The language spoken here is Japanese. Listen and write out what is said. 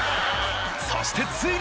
そしてついに！